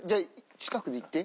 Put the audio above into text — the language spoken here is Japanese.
近くに行って。